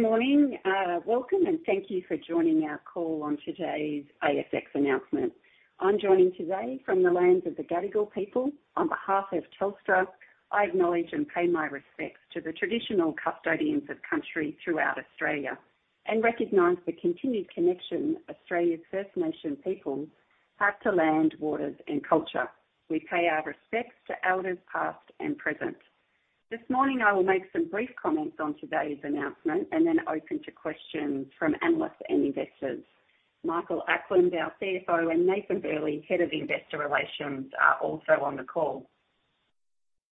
Good morning. Welcome, and thank you for joining our call on today's ASX announcement. I'm joining today from the lands of the Gadigal people. On behalf of Telstra, I acknowledge and pay my respects to the traditional custodians of Country throughout Australia and recognize the continued connection Australia's First Nation people have to land, waters, and culture. We pay our respects to elders, past and present. This morning, I will make some brief comments on today's announcement and then open to questions from analysts and investors. Michael Ackland, our CFO, and Nathan Burley, Head of Investor Relations, are also on the call.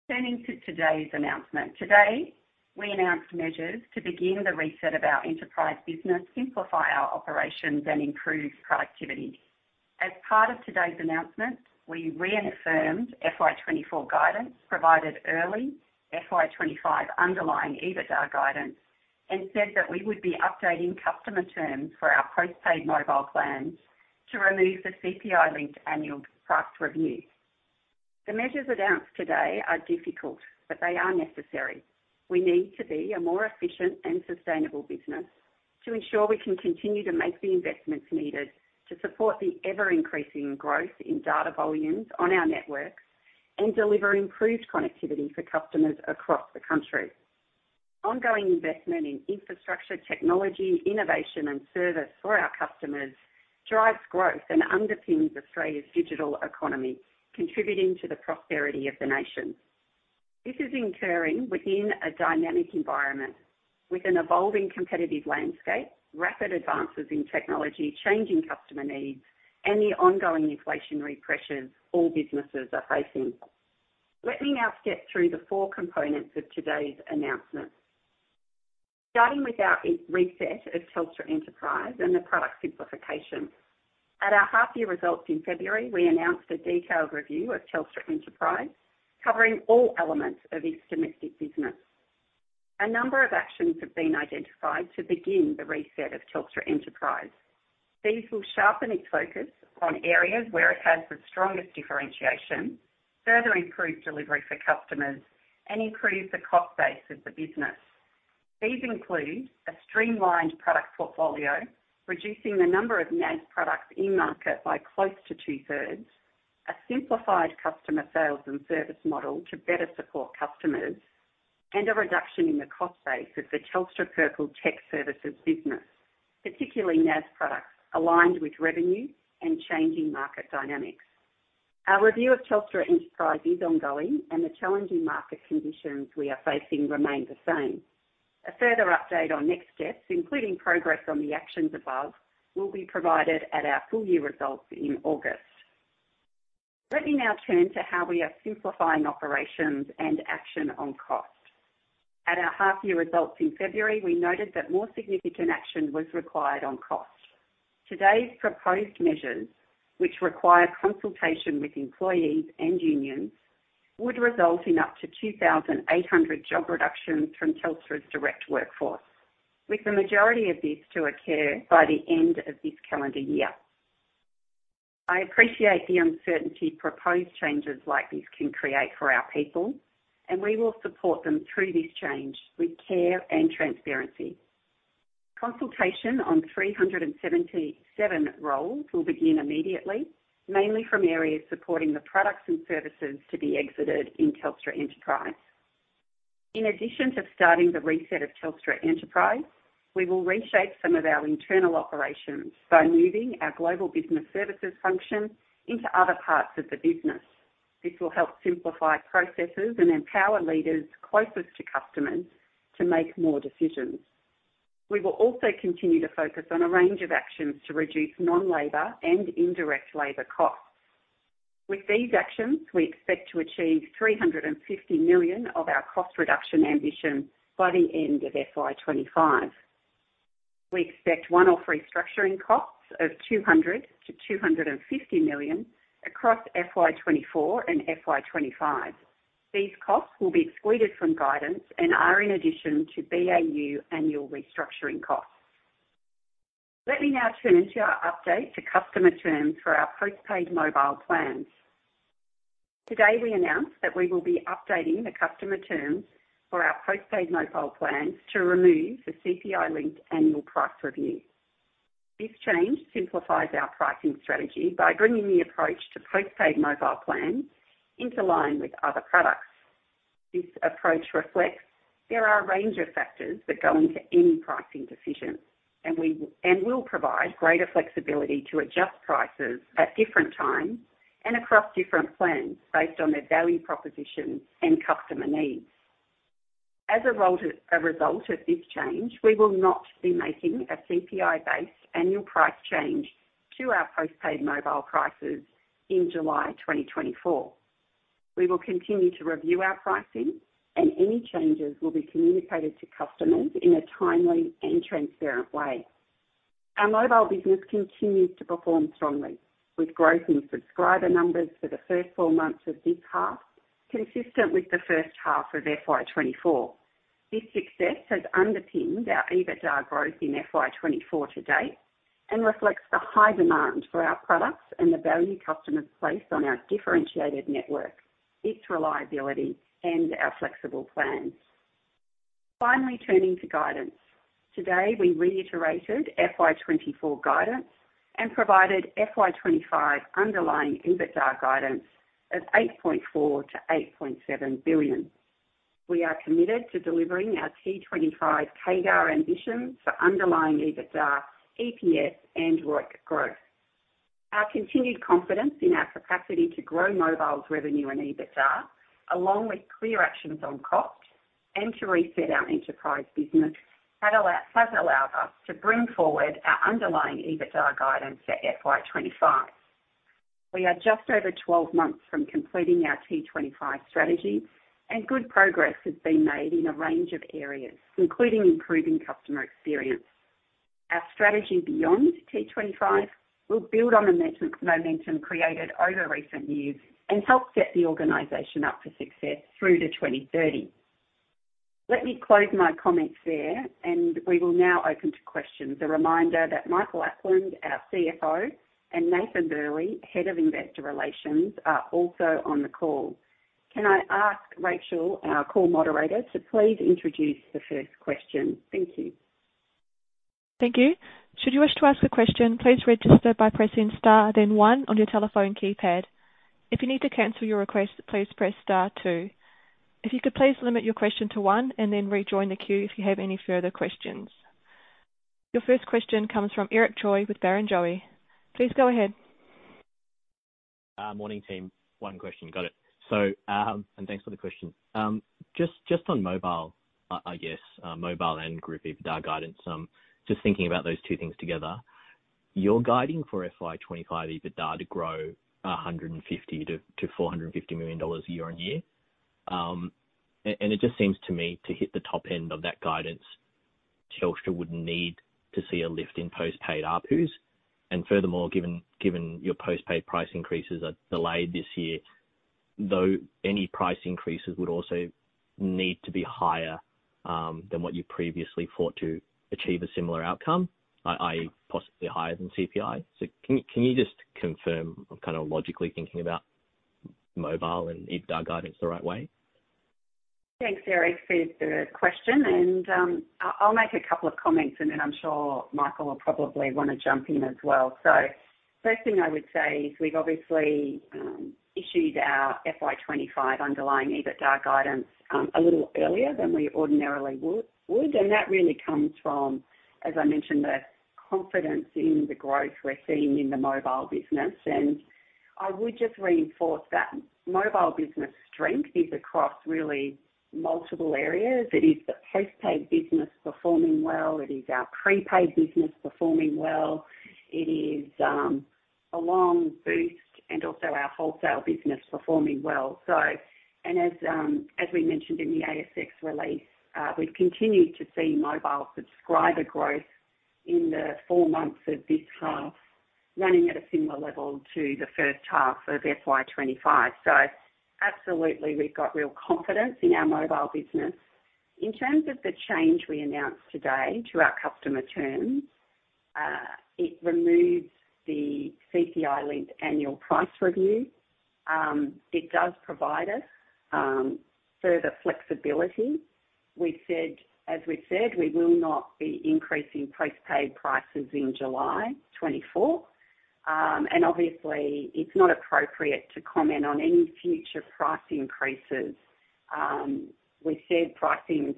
Turning to today's announcement. Today, we announced measures to begin the reset of our enterprise business, simplify our operations, and improve productivity. As part of today's announcement, we reaffirmed FY2024 guidance, provided early FY2025 underlying EBITDA guidance, and said that we would be updating customer terms for our postpaid mobile plans to remove the CPI-linked annual price review. The measures announced today are difficult, but they are necessary. We need to be a more efficient and sustainable business to ensure we can continue to make the investments needed to support the ever-increasing growth in data volumes on our networks and deliver improved connectivity for customers across the country. Ongoing investment in infrastructure, technology, innovation, and service for our customers drives growth and underpins Australia's digital economy, contributing to the prosperity of the nation. This is occurring within a dynamic environment, with an evolving competitive landscape, rapid advances in technology, changing customer needs, and the ongoing inflationary pressures all businesses are facing. Let me now step through the four components of today's announcement. Starting with our reset of Telstra Enterprise and the product simplification. At our half-year results in February, we announced a detailed review of Telstra Enterprise, covering all elements of its domestic business. A number of actions have been identified to begin the reset of Telstra Enterprise. These will sharpen its focus on areas where it has the strongest differentiation, further improve delivery for customers, and improve the cost base of the business. These include a streamlined product portfolio, reducing the number of NAS products in market by close to two-thirds, a simplified customer sales and service model to better support customers, and a reduction in the cost base of the Telstra Purple Tech Services business, particularly NAS products, aligned with revenue and changing market dynamics. Our review of Telstra Enterprise is ongoing, and the challenging market conditions we are facing remain the same. A further update on next steps, including progress on the actions above, will be provided at our full-year results in August. Let me now turn to how we are simplifying operations and action on cost. At our half-year results in February, we noted that more significant action was required on cost. Today's proposed measures, which require consultation with employees and unions, would result in up to 2,800 job reductions from Telstra's direct workforce, with the majority of this to occur by the end of this calendar year. I appreciate the uncertainty proposed changes like this can create for our people, and we will support them through this change with care and transparency. Consultation on 377 roles will begin immediately, mainly from areas supporting the products and services to be exited in Telstra Enterprise. In addition to starting the reset of Telstra Enterprise, we will reshape some of our internal operations by moving our Global Business Services function into other parts of the business. This will help simplify processes and empower leaders closest to customers to make more decisions. We will also continue to focus on a range of actions to reduce non-labor and indirect labor costs. With these actions, we expect to achieve 350 million of our cost reduction ambition by the end of FY2025. We expect one-off restructuring costs of 200 - 250 million across FY2024 and FY 2025. These costs will be excluded from guidance and are in addition to BAU annual restructuring costs. Let me now turn to our update to customer terms for our postpaid mobile plans. Today, we announced that we will be updating the customer terms for our postpaid mobile plans to remove the CPI-linked annual price review. This change simplifies our pricing strategy by bringing the approach to postpaid mobile plans into line with other products. This approach reflects there are a range of factors that go into any pricing decision, and we will provide greater flexibility to adjust prices at different times and across different plans based on their value, proposition, and customer needs. As a result of this change, we will not be making a CPI-based annual price change to our postpaid mobile prices in July 2024. We will continue to review our pricing, and any changes will be communicated to customers in a timely and transparent way. Our mobile business continues to perform strongly, with growth in subscriber numbers for the first four months of this half, consistent with the first half of FY 2024. This success has underpinned our EBITDA growth in FY 2024 to date, and reflects the high demand for our products and the value customers place on our differentiated network, its reliability, and our flexible plans. Finally, turning to guidance. Today, we reiterated FY 2024 guidance and provided FY 2025 underlying EBITDA guidance of 8.4 - 8.7 billion. We are committed to delivering our T25 CAGR ambitions for underlying EBITDA, EPS, and ROIC growth. Our continued confidence in our capacity to grow mobile's revenue and EBITDA, Belong with clear actions on cost and to reset our enterprise business, has allowed us to bring forward our underlying EBITDA guidance for FY 2025. We are just over 12 months from completing our T25 strategy, and good progress has been made in a range of areas, including improving customer experience. Our strategy beyond T25 will build on the momentum created over recent years and help set the organization up for success through to 2030. Let me close my comments there, and we will now open to questions. A reminder that Michael Ackland, our CFO, and Nathan Burley, Head of Investor Relations, are also on the call. Can I ask Rachel, our call moderator, to please introduce the first question? Thank you. Thank you. Should you wish to ask a question, please register by pressing star, then one on your telephone keypad. If you need to cancel your request, please press star two. If you could please limit your question to one, and then rejoin the queue if you have any further questions. Your first question comes from Eric Choi with Barrenjoey. Please go ahead. Morning, team. One question. Got it. So, thanks for the question. Just on mobile, I guess, mobile and group EBITDA guidance. Just thinking about those two things together, you're guiding for FY2025 EBITDA to grow 150 - 450 million year-on-year. And it just seems to me, to hit the top end of that guidance, Telstra would need to see a lift in postpaid ARPUs. And furthermore, given your postpaid price increases are delayed this year, though any price increases would also need to be higher than what you previously thought to achieve a similar outcome, i.e., possibly higher than CPI. So can you just confirm I'm kinda logically thinking about mobile and EBITDA guidance the right way? Thanks, Eric, for the question, and I'll make a couple of comments, and then I'm sure Michael will probably wanna jump in as well. So first thing I would say is we've obviously issued our FY2025 underlying EBITDA guidance a little earlier than we ordinarily would, and that really comes from, as I mentioned, the confidence in the growth we're seeing in the mobile business. I would just reinforce that mobile business strength is across really multiple areas. It is the postpaid business performing well. It is our prepaid business performing well. It is along Boost and also our wholesale business performing well. So, and as we mentioned in the ASX release, we've continued to see mobile subscriber growth in the four months of this half, running at a similar level to the first half of FY 2025. So absolutely, we've got real confidence in our mobile business. In terms of the change we announced today to our customer terms, it removes the CPI-linked annual price review. It does provide us further flexibility. As we've said, we will not be increasing postpaid prices in July 2024. And obviously, it's not appropriate to comment on any future price increases. We've said pricing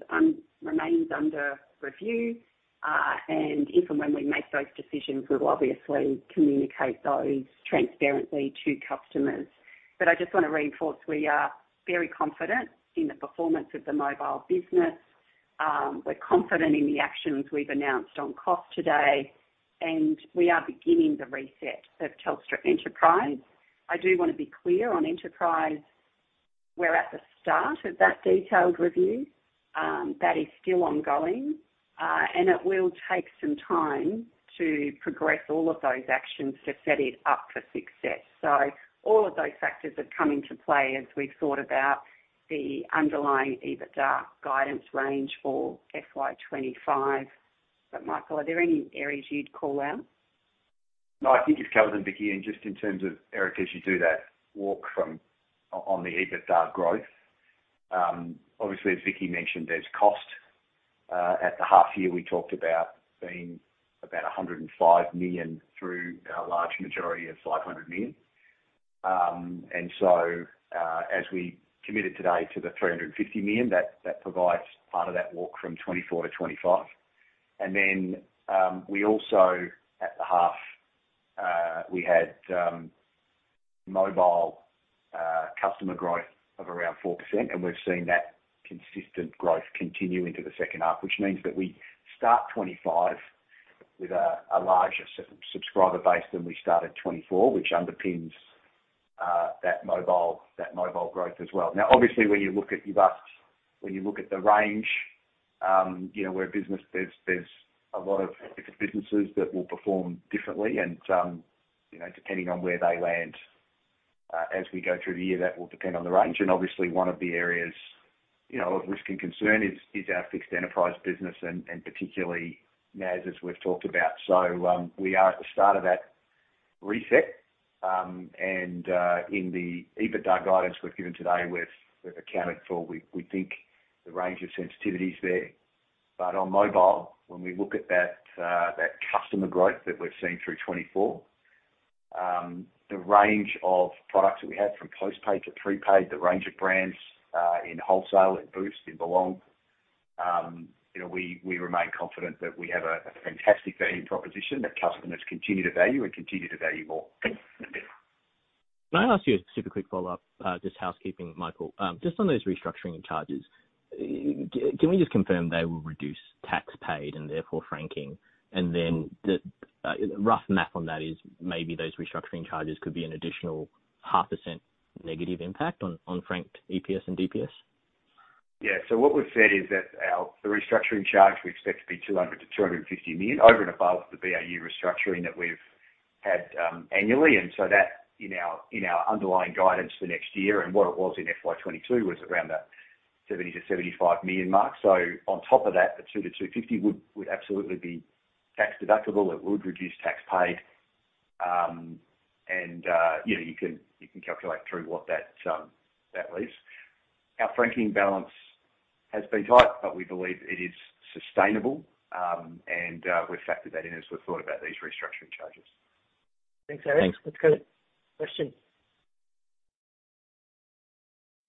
remains under review, and if and when we make those decisions, we'll obviously communicate those transparently to customers. But I just wanna reinforce, we are very confident in the performance of the mobile business. We're confident in the actions we've announced on cost today, and we are beginning the reset of Telstra Enterprise. I do wanna be clear, on enterprise, we're at the start of that detailed review, that is still ongoing, and it will take some time to progress all of those actions to set it up for success. So all of those factors have come into play as we've thought about the underlying EBITDA guidance range for FY 2025. But Michael, are there any areas you'd call out? No, I think you've covered them, Vicki. And just in terms of Eric, as you do that walk from on the EBITDA growth, obviously, as Vicki mentioned, there's cost. At the half year, we talked about being about 105 million through our large majority of 500 million. And so, as we committed today to the 350 million, that, that provides part of that walk from 2024 to 2025. And then, we also, at the half, we had, mobile, customer growth of around 4%, and we've seen that consistent growth continue into the second half, which means that we start 2025 with a, a larger subscriber base than we started 2024, which underpins, that mobile, that mobile growth as well. Now, obviously, when you look at EBITDA, when you look at the range, you know, we're a business, there's a lot of different businesses that will perform differently and, you know, depending on where they land as we go through the year, that will depend on the range. And obviously, one of the areas, you know, of risk and concern is our fixed enterprise business and particularly NAS, as we've talked about. So, we are at the start of that reset, and in the EBITDA guidance we've given today, we've accounted for, we think the range of sensitivities there. But on mobile, when we look at that, that customer growth that we've seen through 2024, the range of products that we have, from postpaid to prepaid, the range of brands, in wholesale, in Boost, in Belong, you know, we remain confident that we have a fantastic value proposition that customers continue to value and continue to value more. Can I ask you a super quick follow-up, just housekeeping, Michael? Just on those restructuring charges, can we just confirm they will reduce tax paid and therefore franking? And then the rough math on that is maybe those restructuring charges could be an additional 0.5% negative impact on franked EPS and DPS. Yeah. So what we've said is that our, the restructuring charge, we expect to be 200 - 250 million, over and above the BAU restructuring that we've had, annually. And so that in our, in our underlying guidance for next year, and what it was in FY 2022, was around that 70-75 million mark. So on top of that, the 200-250 would absolutely be tax deductible. It would reduce tax paid. And, you know, you can calculate through what that leaves. Our franking balance has been tight, but we believe it is sustainable. And, we've factored that in as we've thought about these restructuring charges. Thanks, Eric. Thanks. That's good. Question.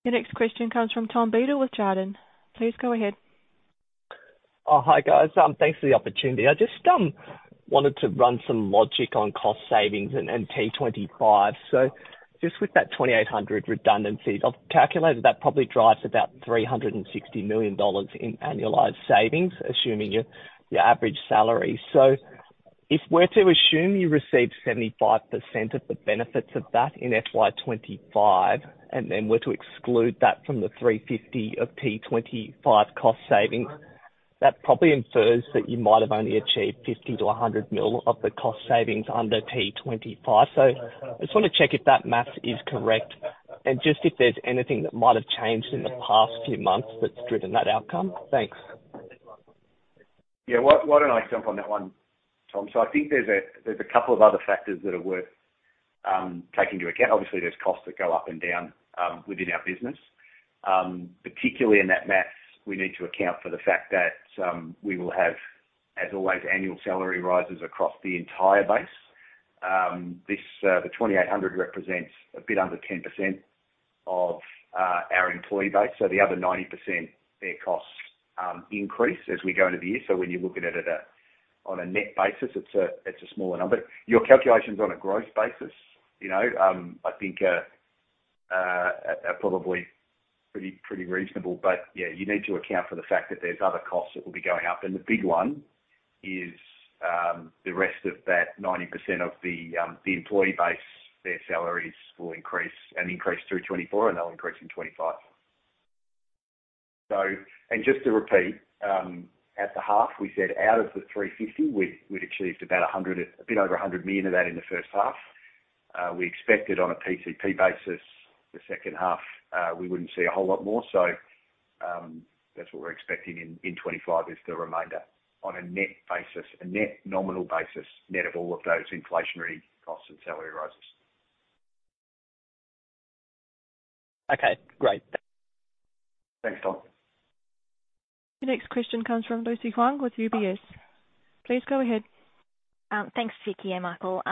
Your next question comes from Tom Beadle with Jarden. Please go ahead. Oh, hi, guys. Thanks for the opportunity. I just wanted to run some logic on cost savings and T25. So just with that 2,800 redundancies, I've calculated that probably drives about 360 million dollars in annualized savings, assuming your average salary. So if we're to assume you received 75% of the benefits of that in FY 2025, and then were to exclude that from the 350 of T25 cost savings, that probably infers that you might have only achieved 50- 100 million of the cost savings under T25. So I just want to check if that math is correct, and just if there's anything that might have changed in the past few months that's driven that outcome? Thanks. Yeah. Why don't I jump on that one, Tom? So I think there's a couple of other factors that are worth taking into account. Obviously, there's costs that go up and down within our business. Particularly in that math, we need to account for the fact that we will have, as always, annual salary rises across the entire base. This, the 2,800 represents a bit under 10% of our employee base. So the other 90%, their costs increase as we go into the year. So when you look at it on a net basis, it's a smaller number. Your calculations on a growth basis, you know, I think are probably pretty reasonable. But yeah, you need to account for the fact that there's other costs that will be going up. And the big one is, the rest of that 90% of the, the employee base, their salaries will increase and increase through 2024, and they'll increase in 2025. So... And just to repeat, at the half, we said out of the 350 million, we'd achieved about 100, a bit over 100 million of that in the first half. We expected on a PCP basis, the second half, we wouldn't see a whole lot more. So, that's what we're expecting in 2025, is the remainder. On a net basis, a net nominal basis, net of all of those inflationary costs and salary rises. Okay, great. Thanks, Tom. The next question comes from Lucy Huang with UBS. Please go ahead. Thanks, Vicki and Michael.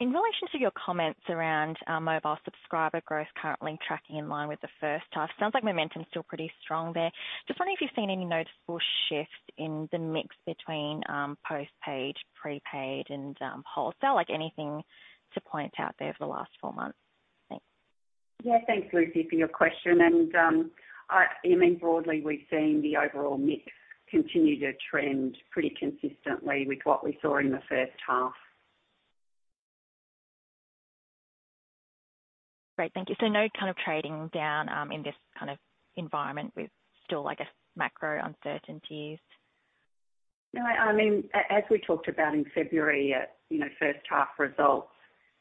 In relation to your comments around mobile subscriber growth currently tracking in line with the first half, sounds like momentum is still pretty strong there. Just wondering if you've seen any noticeable shift in the mix between post-paid, prepaid and wholesale? Like, anything to point out there for the last four months. Thanks. Yeah. Thanks, Lucy, for your question, and, you know, broadly, we've seen the overall mix continue to trend pretty consistently with what we saw in the first half. Great. Thank you. So no kind of trading down, in this kind of environment with still, I guess, macro uncertainties? No, I mean, as we talked about in February, at you know, first half results,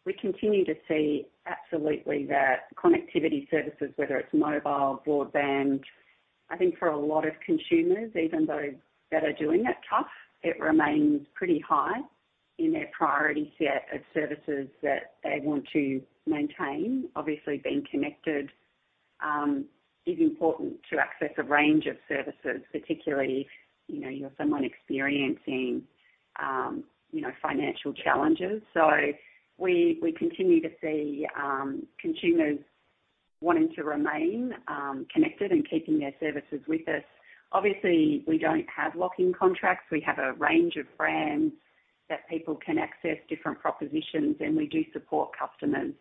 we continue to see absolutely that connectivity services, whether it's mobile, broadband, I think for a lot of consumers, even those that are doing it tough, it remains pretty high in their priority set of services that they want to maintain. Obviously, being connected is important to access a range of services, particularly if, you know, you're someone experiencing, you know, financial challenges. So we continue to see consumers wanting to remain connected and keeping their services with us. Obviously, we don't have locking contracts. We have a range of brands that people can access different propositions, and we do support customers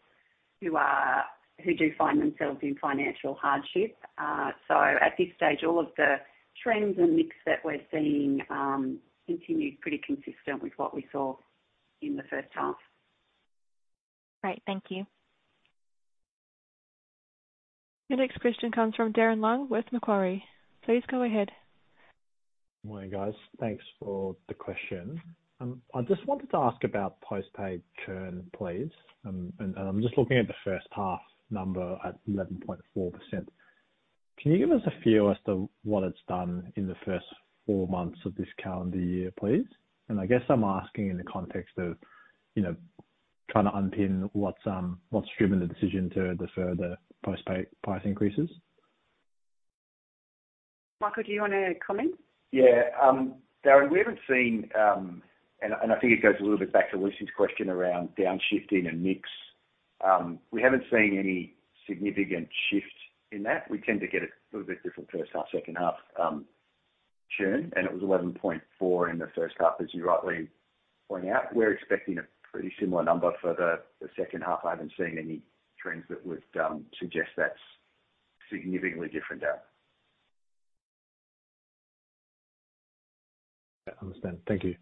who do find themselves in financial hardship. At this stage, all of the trends and mix that we're seeing continue pretty consistent with what we saw in the first half. Great. Thank you. Your next question comes from Darren Leung with Macquarie. Please go ahead. Good morning, guys. Thanks for the question. I just wanted to ask about postpaid churn, please. And I'm just looking at the first half number at 11.4%. Can you give us a feel as to what it's done in the first four months of this calendar year, please? And I guess I'm asking in the context of, you know, trying to unpin what's, what's driven the decision to defer the postpaid price increases. Michael, do you want to comment? Yeah. Darren, we haven't seen... I think it goes a little bit back to Lucy's question around downshifting and mix. We haven't seen any significant shift in that. We tend to get a little bit different first half, second half, churn, and it was 11.4 in the first half, as you rightly point out. We're expecting a pretty similar number for the second half. I haven't seen any trends that would suggest that's significantly different, Darren. I understand. Thank you.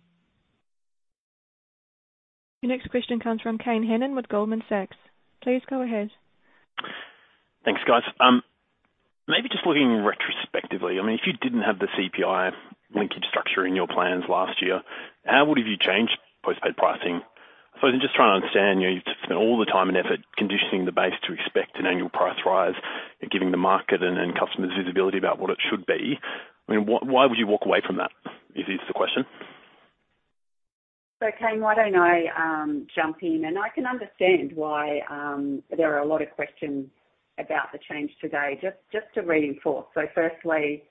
Your next question comes from Kane Hannan with Goldman Sachs. Please go ahead. Thanks, guys. Maybe just looking retrospectively, I mean, if you didn't have the CPI linkage structure in your plans last year, how would you have changed postpaid pricing? So I'm just trying to understand, you know, you've spent all the time and effort conditioning the base to expect an annual price rise and giving the market and customers visibility about what it should be. I mean, why would you walk away from that, is the question? So, Kane, why don't I jump in? And I can understand why there are a lot of questions about the change today. Just, just to reinforce, so firstly,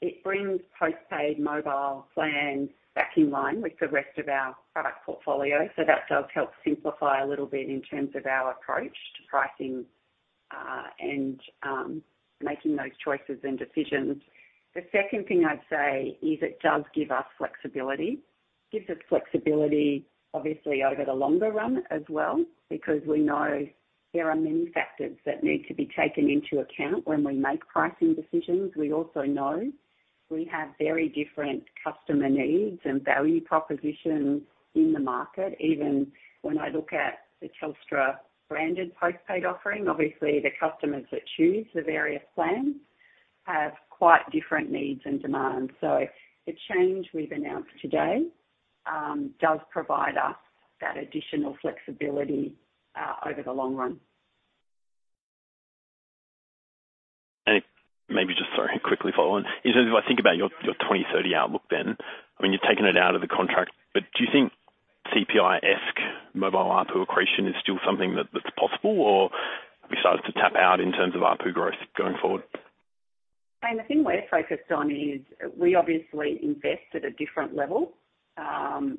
it brings postpaid mobile plans back in line with the rest of our product portfolio. So that does help simplify a little bit in terms of our approach to pricing, and making those choices and decisions. The second thing I'd say is it does give us flexibility. Gives us flexibility, obviously, over the longer run as well, because we know there are many factors that need to be taken into account when we make pricing decisions. We also know we have very different customer needs and value propositions in the market. Even when I look at the Telstra-branded postpaid offering, obviously the customers that choose the various plans have quite different needs and demands. The change we've announced today does provide us that additional flexibility over the long run. And maybe just, sorry, quickly follow on. If I think about your, your 2030 outlook then, I mean, you've taken it out of the contract, but do you think CPI-esque mobile ARPU accretion is still something that, that's possible, or we start to tap out in terms of ARPU growth going forward? The thing we're focused on is we obviously invest at a different level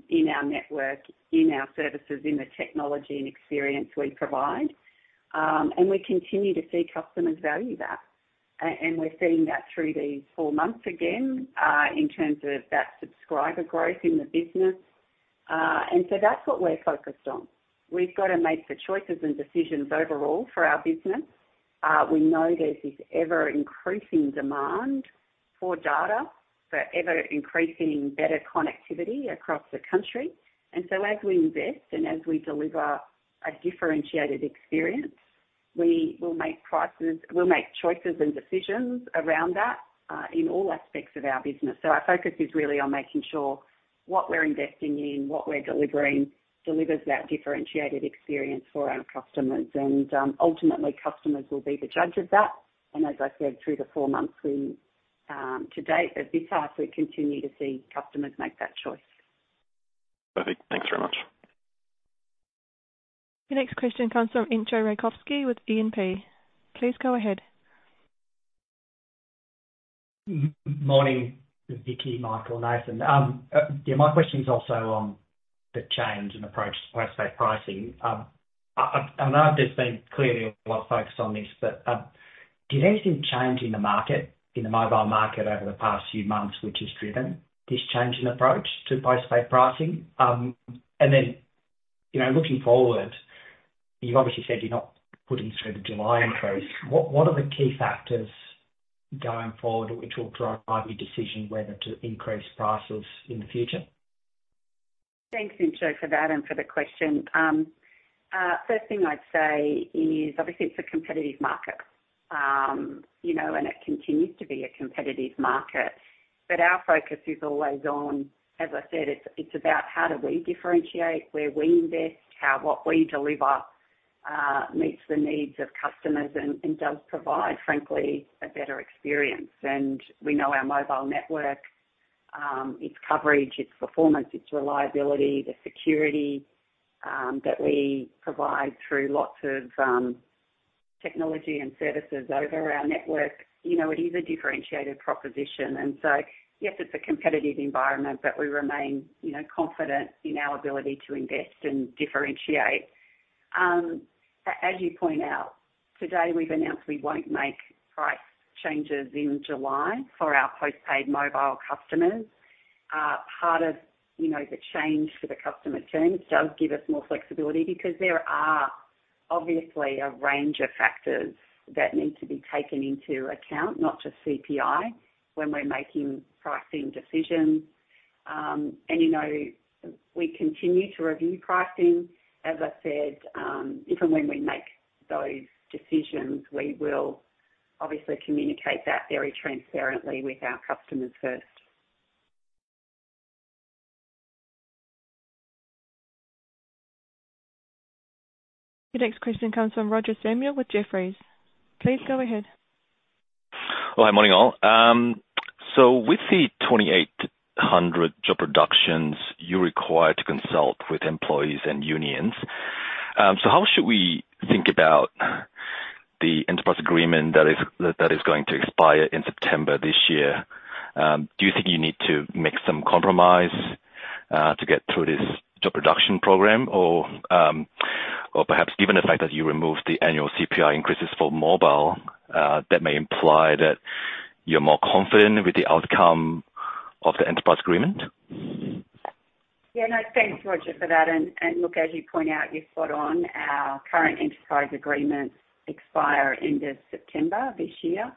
in our network, in our services, in the technology and experience we provide. We continue to see customers value that. We're seeing that through these 4 months again in terms of that subscriber growth in the business. That's what we're focused on. We've got to make the choices and decisions overall for our business. We know there's this ever-increasing demand for data, for ever-increasing better connectivity across the country. As we invest and as we deliver a differentiated experience, we'll make choices and decisions around that in all aspects of our business. Our focus is really on making sure what we're investing in, what we're delivering, delivers that differentiated experience for our customers. Ultimately, customers will be the judge of that, and as I said, through the four months to date, at this house, we continue to see customers make that choice. Perfect. Thanks very much. The next question comes from Entcho Raykovski with E&P. Please go ahead. Morning, Vicki, Michael, Nathan. Yeah, my question is also on the change in approach to postpaid pricing. I know there's been clearly a lot of focus on this, but, did anything change in the market, in the mobile market over the past few months, which has driven this change in approach to postpaid pricing? And then, you know, looking forward, you've obviously said you're not putting through the July increase. What are the key factors going forward which will drive your decision whether to increase prices in the future? Thanks, Entcho, for that and for the question. First thing I'd say is, obviously it's a competitive market. You know, and it continues to be a competitive market. But our focus is always on... As I said, it's about how do we differentiate, where we invest, how what we deliver meets the needs of customers and does provide, frankly, a better experience. And we know our mobile network, its coverage, its performance, its reliability, the security that we provide through lots of technology and services over our network, you know, it is a differentiated proposition. And so, yes, it's a competitive environment, but we remain, you know, confident in our ability to invest and differentiate. As you point out, today, we've announced we won't make price changes in July for our postpaid mobile customers. Part of, you know, the change for the customer terms does give us more flexibility because there are obviously a range of factors that need to be taken into account, not just CPI, when we're making pricing decisions. And you know, we continue to review pricing. As I said, if and when we make those decisions, we will obviously communicate that very transparently with our customers first. The next question comes from Roger Samuel with Jefferies. Please go ahead. Well, hi, morning, all. So with the 2,800 job reductions, you're required to consult with employees and unions. So how should we think about the enterprise agreement that is going to expire in September this year? Do you think you need to make some compromise to get through this job reduction program? Or, perhaps given the fact that you removed the annual CPI increases for mobile, that may imply that you're more confident with the outcome of the enterprise agreement? Yeah. No, thanks, Roger, for that, and look, as you point out, you're spot on. Our current enterprise agreements expire end of September this year.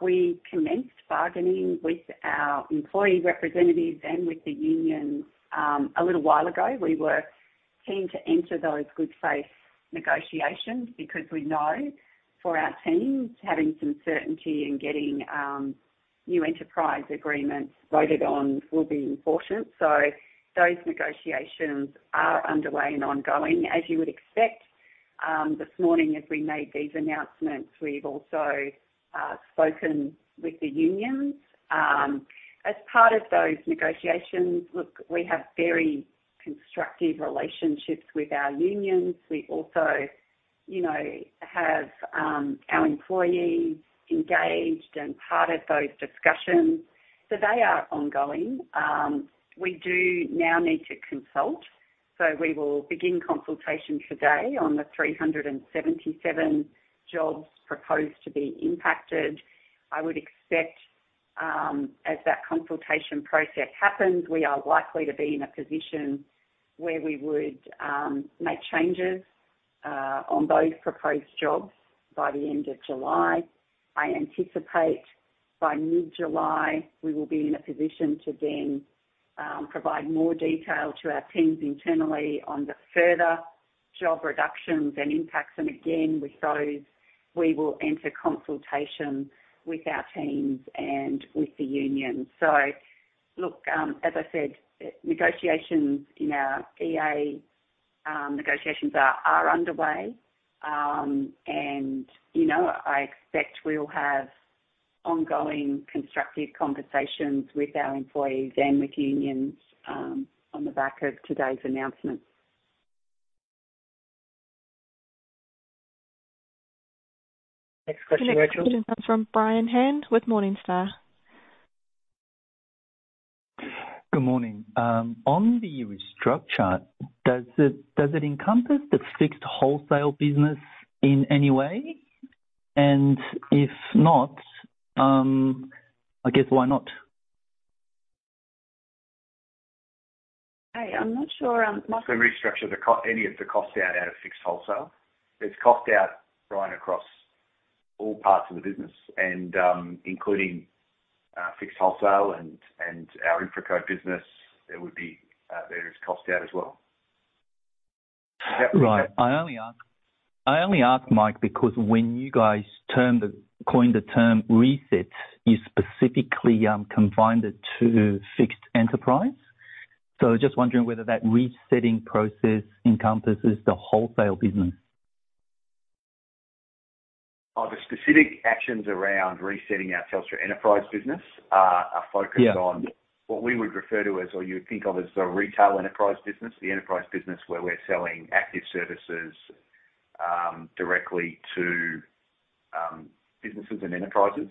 We commenced bargaining with our employee representatives and with the union a little while ago. We were keen to enter those good faith negotiations because we know for our teams, having some certainty in getting new enterprise agreements voted on will be important. So those negotiations are underway and ongoing, as you would expect. This morning, as we made these announcements, we've also spoken with the unions. As part of those negotiations, look, we have very constructive relationships with our unions. We also, you know, have our employees engaged and part of those discussions. So they are ongoing. We do now need to consult, so we will begin consultation today on the 377 jobs proposed to be impacted. I would expect, as that consultation process happens, we are likely to be in a position where we would make changes on those proposed jobs by the end of July. I anticipate by mid-July, we will be in a position to then provide more detail to our teams internally on the further job reductions and impacts. And again, with those, we will enter consultation with our teams and with the union. So look, as I said, negotiations in our EA negotiations are underway. And, you know, I expect we'll have ongoing constructive conversations with our employees and with unions on the back of today's announcement. Next question, Rachel. Next question comes from Brian Han with Morningstar. Good morning. On the restructure, does it, does it encompass the fixed wholesale business in any way? And if not, I guess why not? I'm not sure, Mike- The restructure, the cost out of fixed wholesale. It's cost out right across all parts of the business and, including, fixed wholesale and our InfraCo business, there would be, there is cost out as well. Right. I only asked, I only asked, Mike, because when you guys termed the... coined the term reset, you specifically confined it to fixed enterprise. So just wondering whether that resetting process encompasses the wholesale business. Of the specific actions around resetting our Telstra Enterprise business, are focused- Yeah... on what we would refer to as, or you'd think of as the retail enterprise business, the enterprise business, where we're selling active services, directly to, businesses and enterprises.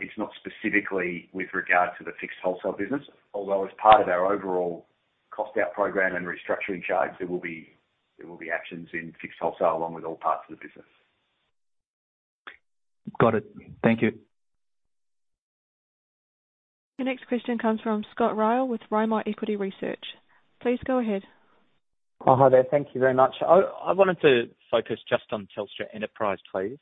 It's not specifically with regard to the fixed wholesale business, although as part of our overall cost out program and restructuring charge, there will be, there will be actions in fixed wholesale, along with all parts of the business. Got it. Thank you. The next question comes from Scott Ryall with Rimor Equity Research. Please go ahead. Oh, hi there. Thank you very much. I wanted to focus just on Telstra Enterprise, please.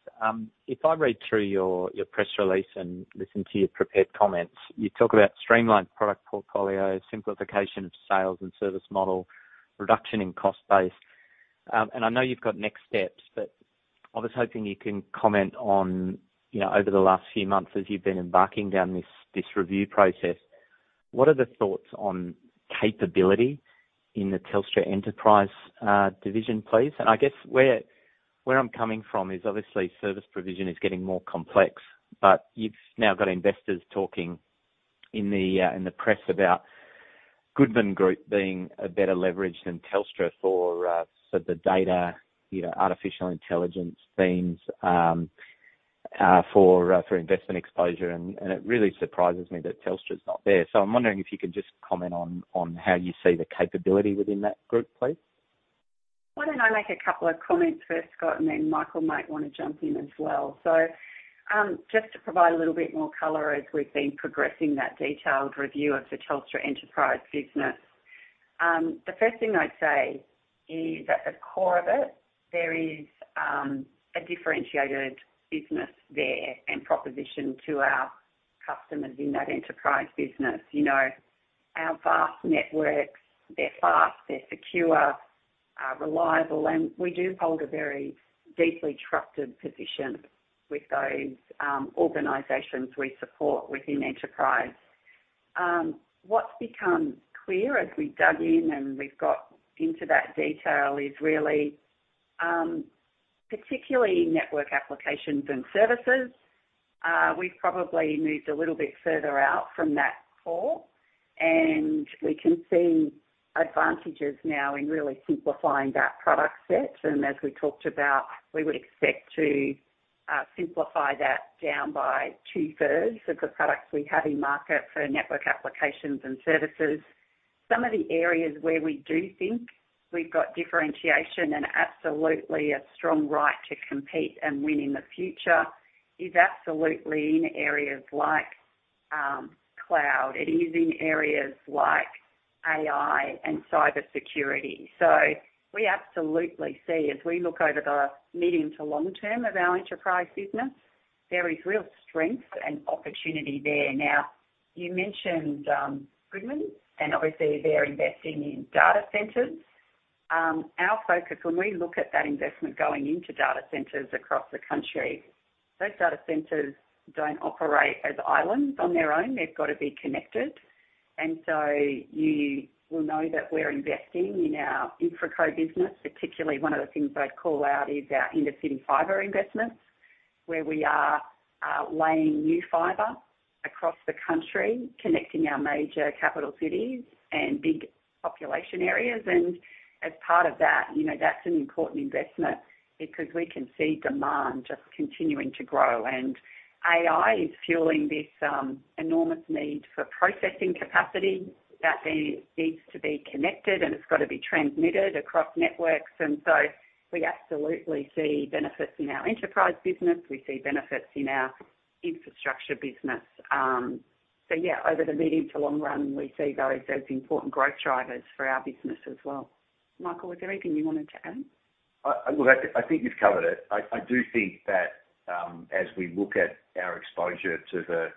If I read through your press release and listen to your prepared comments, you talk about streamlined product portfolio, simplification of sales and service model, reduction in cost base. And I know you've got next steps, but I was hoping you can comment on, you know, over the last few months as you've been embarking down this review process, what are the thoughts on capability in the Telstra Enterprise division, please? And I guess where I'm coming from is obviously, service provision is getting more complex, but you've now got investors talking in the press about Goodman Group being a better leverage than Telstra for so the data, you know, artificial intelligence themes, for for investment exposure. It really surprises me that Telstra's not there. I'm wondering if you can just comment on how you see the capability within that group, please. Why don't I make a couple of comments first, Scott, and then Michael might want to jump in as well. Just to provide a little bit more color as we've been progressing that detailed review of the Telstra Enterprise business... The first thing I'd say is, at the core of it, there is a differentiated business there and proposition to our customers in that enterprise business. You know, our vast networks, they're fast, they're secure, reliable, and we do hold a very deeply trusted position with those organizations we support within enterprise. What's become clear as we've dug in and we've got into that detail is really, particularly network applications and services, we've probably moved a little bit further out from that core, and we can see advantages now in really simplifying that product set. And as we talked about, we would expect to simplify that down by two-thirds of the products we have in market for Network Applications and Services. Some of the areas where we do think we've got differentiation and absolutely a strong right to compete and win in the future, is absolutely in areas like cloud. It is in areas like AI and cybersecurity. So we absolutely see as we look over the medium to long term of our enterprise business, there is real strength and opportunity there. Now, you mentioned Goodman, and obviously they're investing in data centers. Our focus when we look at that investment going into data centers across the country, those data centers don't operate as islands on their own. They've got to be connected. And so you will know that we're investing in our InfraCo business, particularly one of the things I'd call out is our Intercity Fibre investments, where we are laying new fiber across the country, connecting our major capital cities and big population areas. And as part of that, you know, that's an important investment because we can see demand just continuing to grow. And AI is fueling this enormous need for processing capacity that needs to be connected, and it's got to be transmitted across networks, and so we absolutely see benefits in our enterprise business. We see benefits in our infrastructure business. So yeah, over the medium to long run, we see those as important growth drivers for our business as well. Michael, was there anything you wanted to add? Well, I think you've covered it. I do think that as we look at our exposure to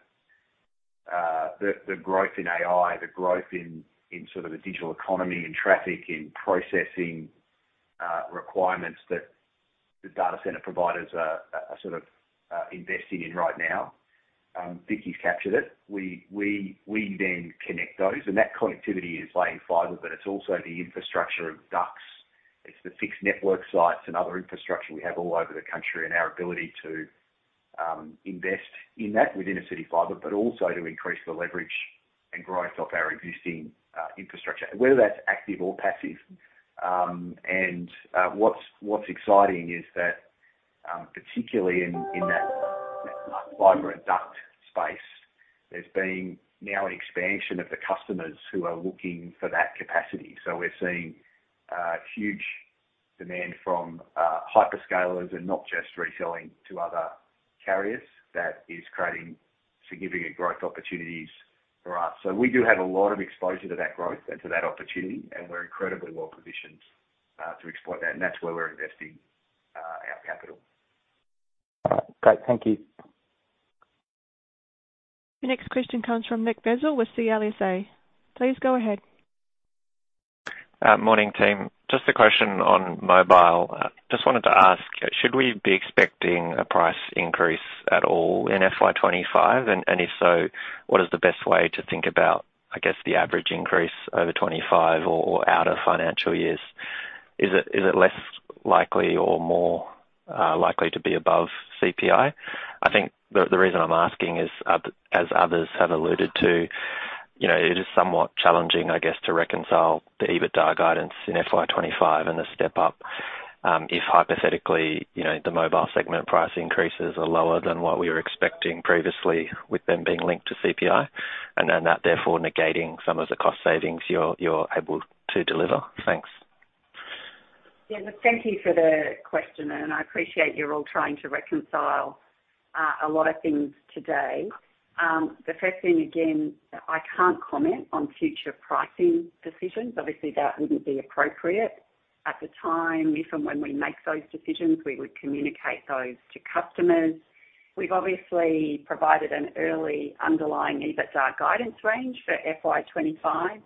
the growth in AI, the growth in sort of the digital economy, in traffic, in processing requirements, that the data center providers are sort of investing in right now, Vicki's captured it. We then connect those, and that connectivity is laying fiber, but it's also the infrastructure of ducts. It's the fixed network sites and other infrastructure we have all over the country, and our ability to invest in that within Intercity Fibre, but also to increase the leverage and growth of our existing infrastructure, whether that's active or passive. What's exciting is that, particularly in that fiber and duct space, there's been now an expansion of the customers who are looking for that capacity. So we're seeing huge demand from hyperscalers and not just reselling to other carriers. That is creating significant growth opportunities for us. So we do have a lot of exposure to that growth and to that opportunity, and we're incredibly well positioned to exploit that, and that's where we're investing our capital. All right, great. Thank you. The next question comes from Nick Basile with CLSA. Please go ahead. Morning, team. Just a question on mobile. Just wanted to ask, should we be expecting a price increase at all in FY 2025? And if so, what is the best way to think about, I guess, the average increase over 25 or out of financial years? Is it less likely or more likely to be above CPI? I think the reason I'm asking is, as others have alluded to, you know, it is somewhat challenging, I guess, to reconcile the EBITDA guidance in FY 2025 and the step up, if hypothetically, you know, the mobile segment price increases are lower than what we were expecting previously, with them being linked to CPI, and then that therefore negating some of the cost savings you're able to deliver. Thanks. Yeah. Thank you for the question, and I appreciate you're all trying to reconcile a lot of things today. The first thing, again, I can't comment on future pricing decisions. Obviously, that wouldn't be appropriate at the time. If and when we make those decisions, we would communicate those to customers. We've obviously provided an early underlying EBITDA guidance range for FY 2025,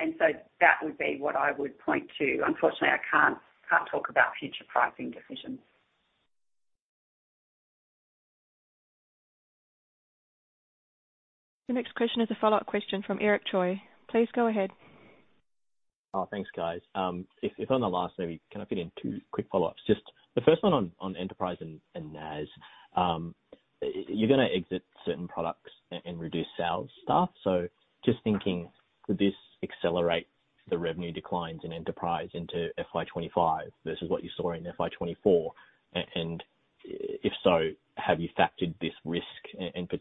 and so that would be what I would point to. Unfortunately, I can't talk about future pricing decisions. The next question is a follow-up question from Eric Choi. Please go ahead. Oh, thanks, guys. If on the last maybe can I fit in two quick follow-ups? Just the first one on enterprise and NAS. You're gonna exit certain products and reduce sales staff, so just thinking, would this accelerate the revenue declines in enterprise into FY 2025 versus what you saw in FY 2024? And if so, have you factored this risk and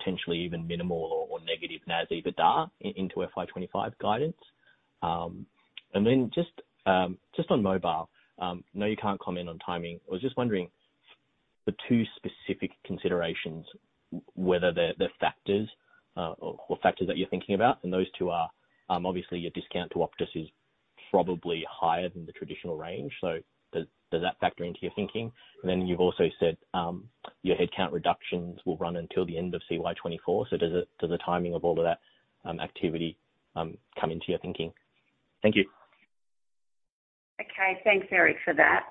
potentially even minimal or negative NAS EBITDA into FY 2025 guidance? And then just on mobile, know you can't comment on timing. I was just wondering the two specific considerations, whether they're factors or factors that you're thinking about, and those two are, obviously, your discount to Optus is probably higher than the traditional range, so does that factor into your thinking? And then you've also said, your headcount reductions will run until the end of CY 2024, so does the timing of all of that activity come into your thinking? Thank you. Okay, thanks, Eric, for that.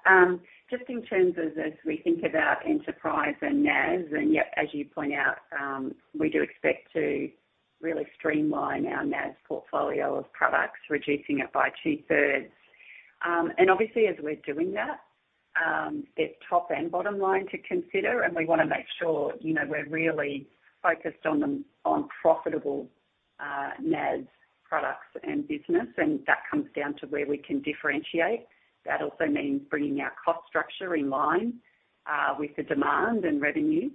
Just in terms of as we think about enterprise and NAS, and yet as you point out, we do expect to really streamline our NAS portfolio of products, reducing it by two-thirds. And obviously, as we're doing that, there's top and bottom line to consider, and we wanna make sure, you know, we're really focused on profitable NAS products and business, and that comes down to where we can differentiate. That also means bringing our cost structure in line with the demand and revenue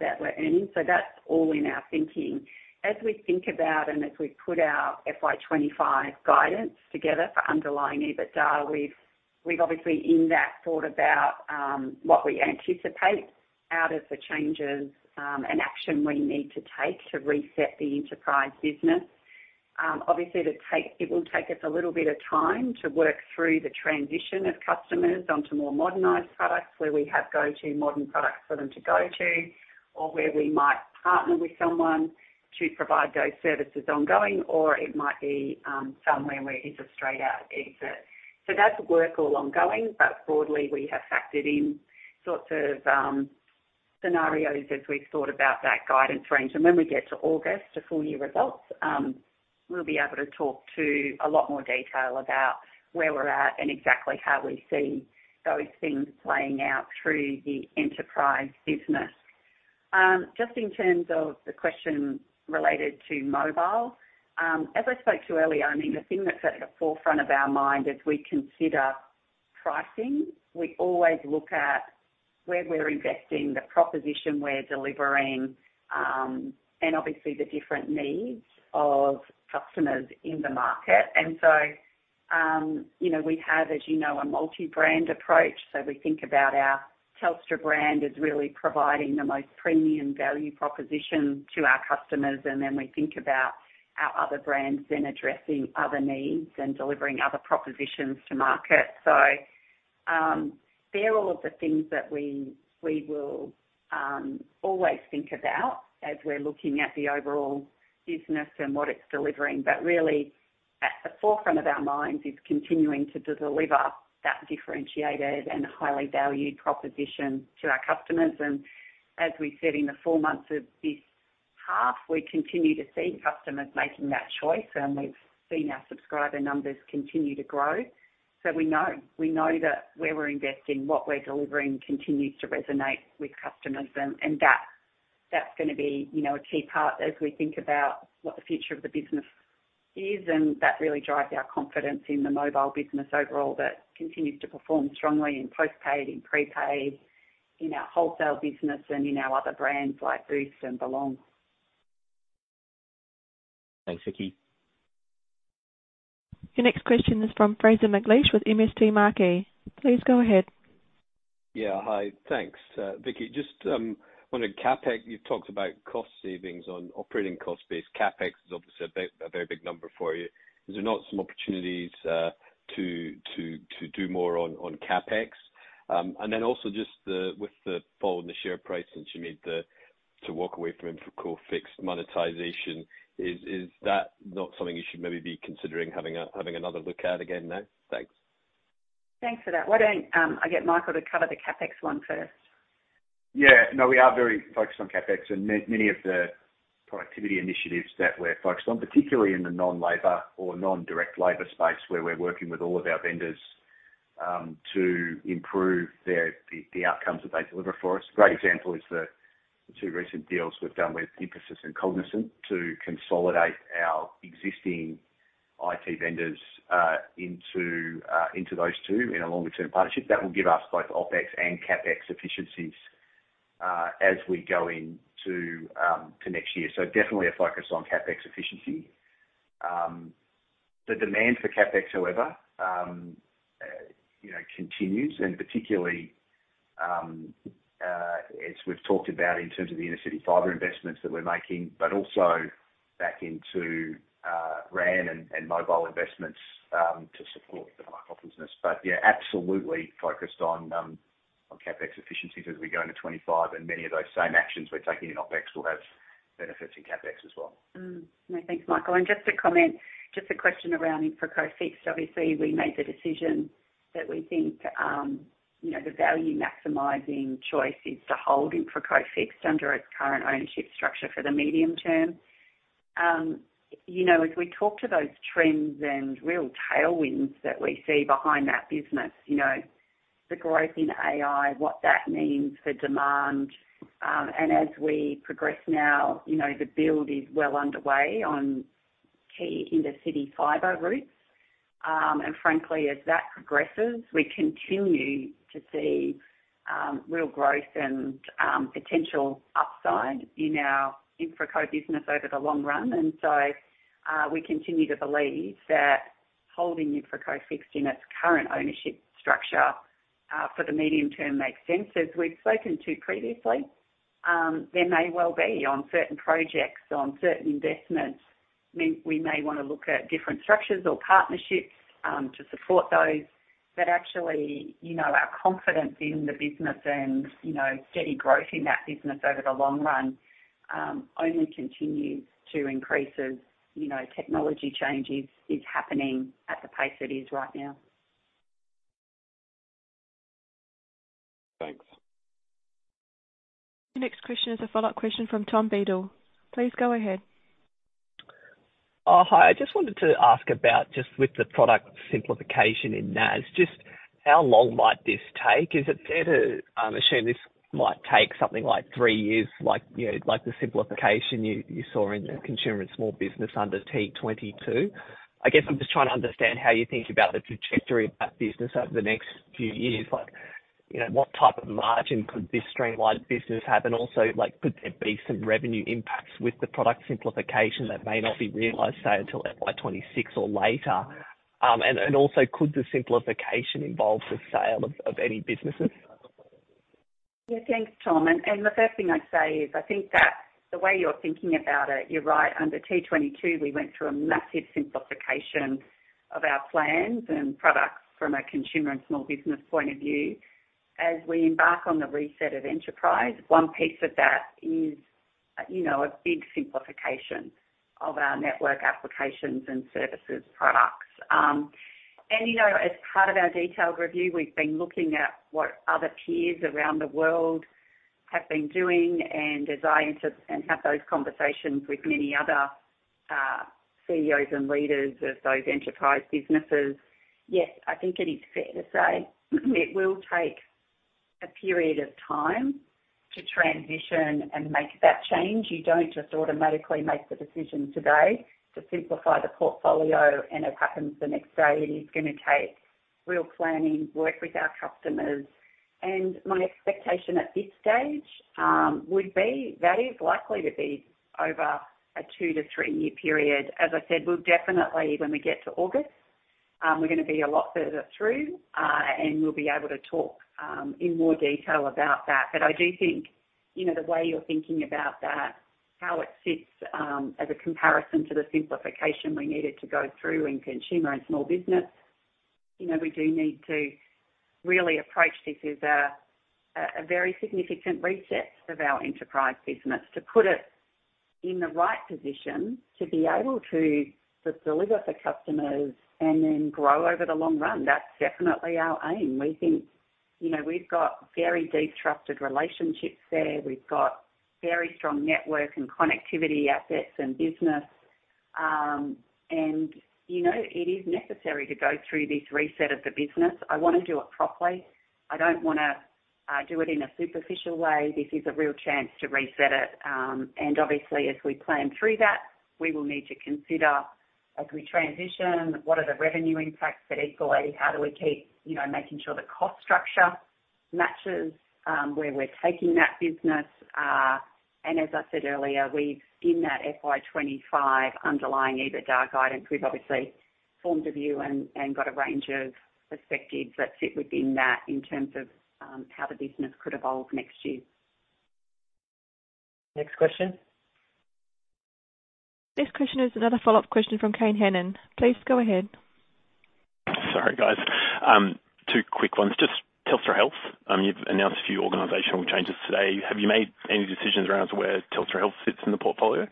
that we're earning. So that's all in our thinking. As we think about and as we put our FY 2025 guidance together for underlying EBITDA, we've obviously, in that, thought about what we anticipate out of the changes and action we need to take to reset the enterprise business. Obviously, it will take us a little bit of time to work through the transition of customers onto more modernized products where we have go-to modern products for them to go to, or where we might partner with someone to provide those services ongoing, or it might be, somewhere where it's a straight-out exit. So that's work all ongoing, but broadly, we have factored in sorts of scenarios as we've thought about that guidance range. And when we get to August, to full year results, we'll be able to talk to a lot more detail about where we're at and exactly how we see those things playing out through the enterprise business. Just in terms of the question related to mobile, as I spoke to earlier, I mean, the thing that's at the forefront of our mind as we consider pricing, we always look at where we're investing, the proposition we're delivering, and obviously the different needs of customers in the market. And so, you know, we have, as you know, a multi-brand approach, so we think about our Telstra brand as really providing the most premium value proposition to our customers, and then we think about our other brands then addressing other needs and delivering other propositions to market. So, they're all of the things that we will always think about as we're looking at the overall business and what it's delivering. But really at the forefront of our minds is continuing to deliver that differentiated and highly valued proposition to our customers. And as we said in the four months of this half, we continue to see customers making that choice, and we've seen our subscriber numbers continue to grow. So we know, we know that where we're investing, what we're delivering, continues to resonate with customers, and, and that, that's gonna be, you know, a key part as we think about what the future of the business is, and that really drives our confidence in the mobile business overall. That continues to perform strongly in postpaid, in prepaid, in our wholesale business, and in our other brands like Boost and Belong. Thanks, Vicki. Your next question is from Fraser McLeish with MST Marquee. Please go ahead. Yeah. Hi, thanks. Vicki, just on the CapEx, you've talked about cost savings on operating cost base. CapEx is obviously a very big number for you. Is there not some opportunities to do more on CapEx? And then also just with the fall in the share price, since you made the to walk away from InfraCo Fixed monetization, is that not something you should maybe be considering having another look at again now? Thanks. Thanks for that. Why don't I get Michael to cover the CapEx one first? Yeah. No, we are very focused on CapEx and many of the productivity initiatives that we're focused on, particularly in the non-labor or non-direct labor space, where we're working with all of our vendors to improve their the outcomes that they deliver for us. A great example is the two recent deals we've done with Infosys and Cognizant to consolidate our existing IT vendors into into those two in a longer-term partnership. That will give us both OpEx and CapEx efficiencies as we go into next year. So definitely a focus on CapEx efficiency. The demand for CapEx, however, you know, continues and particularly as we've talked about in terms of the Intercity Fibre investments that we're making, but also back into RAN and mobile investments to support the mobile business. But yeah, absolutely focused on CapEx efficiencies as we go into 2025, and many of those same actions we're taking in OpEx will have benefits in CapEx as well. Mm. No, thanks, Michael. And just to comment, just a question around InfraCo Fixed. Obviously, we made the decision that we think, you know, the value-maximizing choice is to hold InfraCo Fixed under its current ownership structure for the medium term. You know, as we talk to those trends and real tailwinds that we see behind that business, you know, the growth in AI, what that means for demand, and as we progress now, you know, the build is well underway on key Intercity Fiber routes. And frankly, as that progresses, we continue to see, real growth and, potential upside in our InfraCo business over the long run. And so, we continue to believe that holding InfraCo Fixed in its current ownership structure, for the medium term makes sense. As we've spoken to previously, there may well be on certain projects, on certain investments, we may want to look at different structures or partnerships, to support those. But actually, you know, our confidence in the business and, you know, steady growth in that business over the long run, only continues to increase as, you know, technology changes is happening at the pace it is right now. Thanks. The next question is a follow-up question from Tom Beadle. Please go ahead. Hi. I just wanted to ask about, just with the product simplification in NAS, just how long might this take? Is it fair to assume this might take something like three years, like, you know, like the simplification you saw in the Consumer and Small Business under T22? I guess I'm just trying to understand how you think about the trajectory of that business over the next few years. Like, you know, what type of margin could this streamlined business have? And also, like, could there be some revenue impacts with the product simplification that may not be realized, say, until FY 2026 or later? And also, could the simplification involve the sale of any businesses? Yeah. Thanks, Tom. And the first thing I'd say is, I think that the way you're thinking about it, you're right. Under T22, we went through a massive simplification of our plans and products from a consumer and small business point of view. As we embark on the reset of enterprise, one piece of that is, you know, a big simplification of our Network Applications and Services products. And, you know, as part of our detailed review, we've been looking at what other peers around the world have been doing. And as I have those conversations with many other CEOs and leaders of those enterprise businesses, yes, I think it is fair to say it will take a period of time to transition and make that change. You don't just automatically make the decision today to simplify the portfolio, and it happens the next day. It is gonna take real planning, work with our customers. And my expectation at this stage would be that is likely to be over a two to three-year period. As I said, we'll definitely, when we get to August, we're gonna be a lot further through, and we'll be able to talk in more detail about that. But I do think, you know, the way you're thinking about that, how it sits as a comparison to the simplification we needed to go through in consumer and small business, you know, we do need to really approach this as a very significant reset of our enterprise business to put it in the right position to be able to just deliver for customers and then grow over the long run. That's definitely our aim. We think, you know, we've got very deep trusted relationships there. We've got very strong network and connectivity assets and business. And, you know, it is necessary to go through this reset of the business. I wanna do it properly. I don't wanna do it in a superficial way. This is a real chance to reset it. And obviously, as we plan through that, we will need to consider, as we transition, what are the revenue impacts? But equally, how do we keep, you know, making sure the cost structure matches where we're taking that business? And as I said earlier, we've in that FY 2025 underlying EBITDA guidance, we've obviously formed a view and got a range of perspectives that fit within that in terms of how the business could evolve next year. Next question? Next question is another follow-up question from Kane Hannan. Please go ahead. Sorry, guys. Two quick ones. Just Telstra Health. You've announced a few organizational changes today. Have you made any decisions around where Telstra Health sits in the portfolio?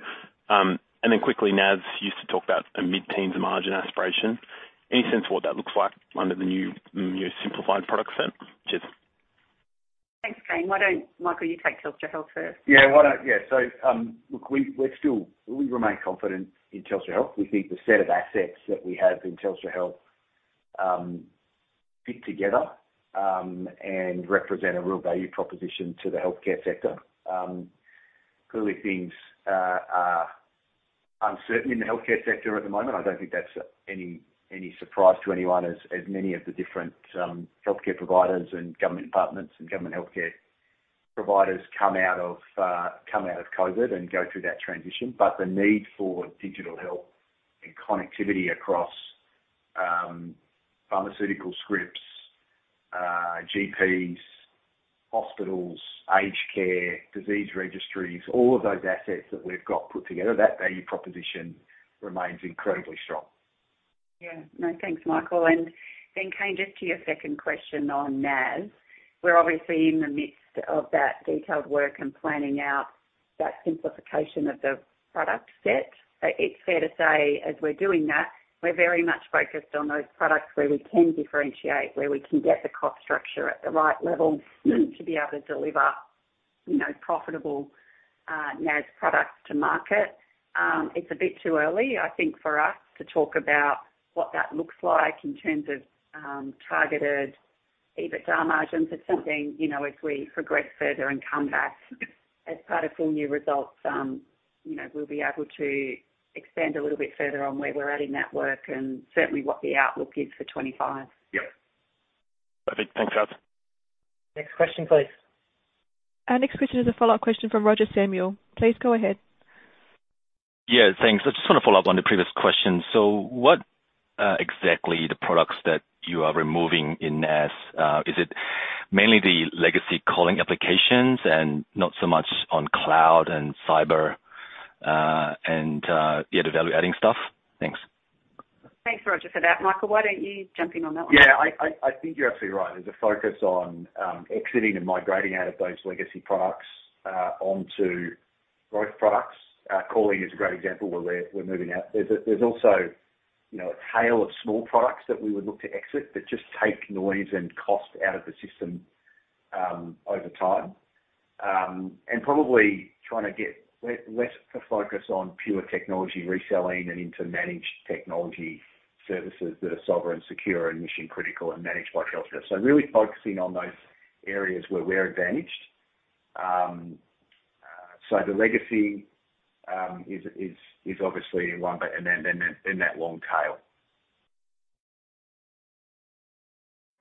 And then quickly, NAS used to talk about a mid-teens margin aspiration. Any sense of what that looks like under the new, new simplified product set? Cheers. Thanks, Kane. Why don't, Michael, you take Telstra Health first? Yeah, why don't... Yeah. So, look, we remain confident in Telstra Health. We think the set of assets that we have in Telstra Health fit together and represent a real value proposition to the healthcare sector. Clearly things are uncertain in the healthcare sector at the moment. I don't think that's any surprise to anyone as many of the different healthcare providers and government departments and government healthcare providers come out of COVID and go through that transition. But the need for digital health and connectivity across pharmaceutical scripts, GPs, hospitals, aged care, disease registries, all of those assets that we've got put together, that value proposition remains incredibly strong. Yeah. No, thanks, Michael. And then, Kane, just to your second question on NAS, we're obviously in the midst of that detailed work and planning out that simplification of the product set. It's fair to say, as we're doing that, we're very much focused on those products where we can differentiate, where we can get the cost structure at the right level, to be able to deliver, you know, profitable NAS products to market. It's a bit too early, I think, for us to talk about what that looks like in terms of targeted EBITDA margins. It's something, you know, as we progress further and come back as part of full-year results, you know, we'll be able to expand a little bit further on where we're at in that work and certainly what the outlook is for 2025. Yep... Perfect. Thanks, guys. Next question, please. Our next question is a follow-up question from Roger Samuel. Please go ahead. Yeah, thanks. I just want to follow up on the previous question. So what exactly the products that you are removing in NAS? Is it mainly the legacy calling applications and not so much on cloud and cyber, and yeah, the value-adding stuff? Thanks. Thanks, Roger, for that. Michael, why don't you jump in on that one? Yeah, I think you're absolutely right. There's a focus on exiting and migrating out of those legacy products onto growth products. Calling is a great example where we're moving out. There's also, you know, a tail of small products that we would look to exit that just take noise and cost out of the system over time. And probably trying to get less a focus on pure technology reselling and into managed technology services that are sovereign, secure, and mission-critical and managed by Telstra. So really focusing on those areas where we're advantaged. So the legacy is obviously one, but and then that long tail.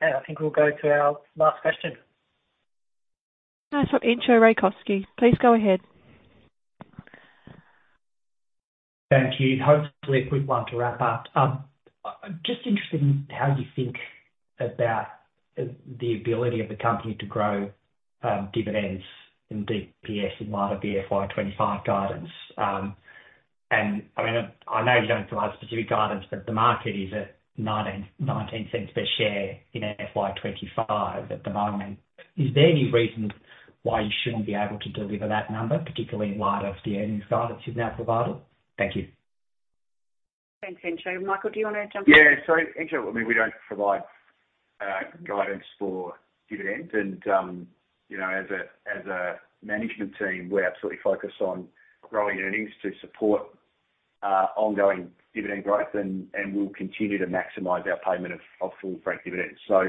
I think we'll go to our last question. Now for Entcho Raykovski. Please go ahead. Thank you. Hopefully a quick one to wrap up. I'm just interested in how you think about the ability of the company to grow dividends in DPS in light of the FY 2025 guidance. I mean, I know you don't provide specific guidance, but the market is at 0.19 per share in FY 2025 at the moment. Is there any reason why you shouldn't be able to deliver that number, particularly in light of the earnings guidance you've now provided? Thank you. Thanks, Entcho. Michael, do you want to jump in? Yeah, so, Entcho, I mean, we don't provide guidance for dividends. And, you know, as a management team, we're absolutely focused on growing earnings to support ongoing dividend growth, and we'll continue to maximize our payment of full franked dividends. So,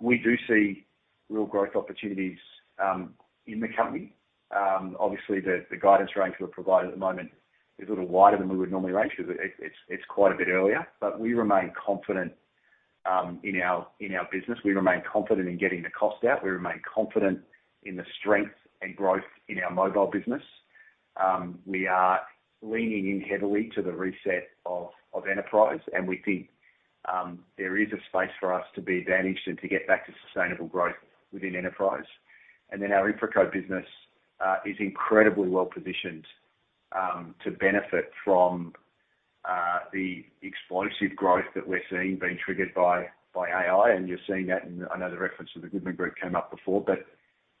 we do see real growth opportunities in the company. Obviously, the guidance range we've provided at the moment is a little wider than we would normally range because it's quite a bit earlier. But we remain confident in our business. We remain confident in getting the cost out. We remain confident in the strength and growth in our mobile business. We are leaning in heavily to the reset of enterprise, and we think there is a space for us to be advantaged and to get back to sustainable growth within enterprise. And then our InfraCo business is incredibly well positioned to benefit from the explosive growth that we're seeing being triggered by AI. And you're seeing that, and I know the reference to the Goodman Group came up before, but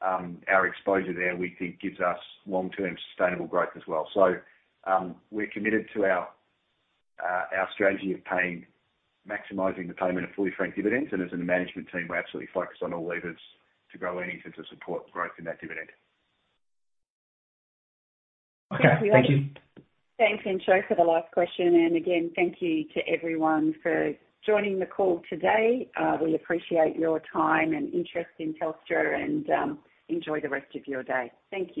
our exposure there, we think, gives us long-term sustainable growth as well. So, we're committed to our strategy of paying, maximizing the payment of fully franked dividends, and as a management team, we're absolutely focused on all levers to grow earnings and to support growth in that dividend. Okay. Thank you. Thanks, Entcho, for the last question. And again, thank you to everyone for joining the call today. We appreciate your time and interest in Telstra, and enjoy the rest of your day. Thank you.